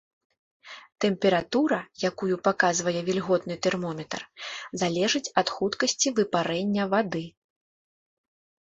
Тэмпература, якую паказвае вільготны тэрмометр, залежыць ад хуткасці выпарэння вады.